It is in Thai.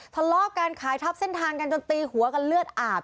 ทะเลาะกันขายทับเส้นทางกันจนตีหัวกันเลือดอาบ